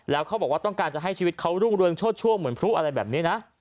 แล้วเขาบอกว่าต้องการจะให้ชีวิตเขารุ่งเรืองโชดช่วงเหมือนพลุอะไรแบบนี้นะ